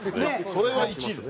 それは１位です。